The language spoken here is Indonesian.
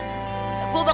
gue bakal balik